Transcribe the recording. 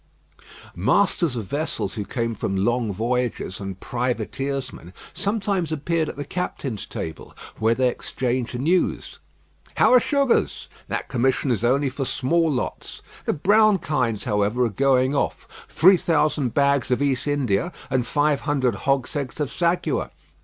Masters of vessels who came from long voyages and privateersmen sometimes appeared at the captains' table, where they exchanged news. "How are sugars? That commission is only for small lots. The brown kinds, however, are going off. Three thousand bags of East India, and five hundred hogsheads of Sagua.